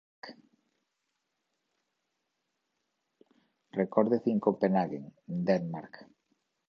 Recorded in Copenhagen, Denmark.